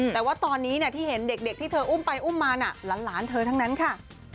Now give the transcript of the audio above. แต่ว่าตอนนี้ที่เห็นเด็กที่เธออุ้มไปอุ้มมาน่ะหลานเธอทั้งนั้นค่ะ